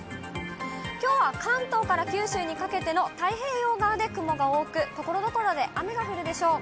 きょうは関東から九州にかけての太平洋側で雲が多く、ところどころで雨が降るでしょう。